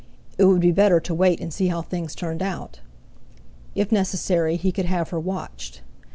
It would be better to wait and see how things turned out. If necessary, he could have her watched.